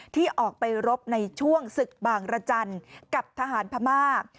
ที่ออกไปรบในช่วงศึกบางระจันทร์กับทหารพม่า